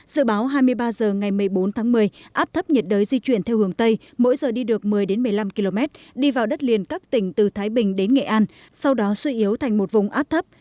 dự báo hai mươi ba h ngày một mươi bốn tháng một mươi áp thấp nhiệt đới di chuyển theo hướng tây mỗi giờ đi được một mươi một mươi năm km đi vào đất liền các tỉnh từ thái bình đến nghệ an sau đó suy yếu thành một vùng áp thấp